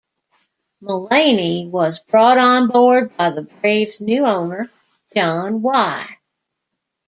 Mullaney was brought on board by the Braves' new owner, John Y.